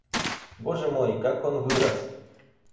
Боже мой, как он вырос!